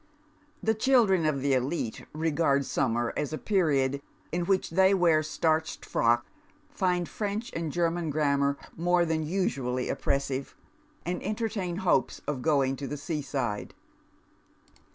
The children of the elite regai d summer as a period in which they wear starched frocks, iind French and German grammar more tlian usually oppressiT^, and entei tain hopes of going to the Bca side.